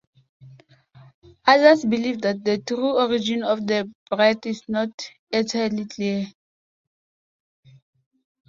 Others believe that the true origin of the breed is not entirely clear.